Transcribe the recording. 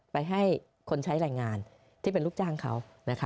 ไปให้คนใช้แรงงานที่เป็นลูกจ้างเขา